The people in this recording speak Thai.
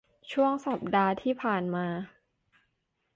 ช่วงสัปดาห์ที่ผ่านมา